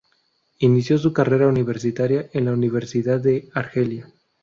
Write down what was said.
Inició su carrera universitaria en la Universidad de Argelia.